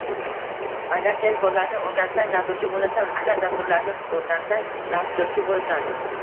Agar sen kodlashni oʻrgansang dasturchi boʻlasan, agar dasturlashni oʻrgansang, dasturchi boʻlasan.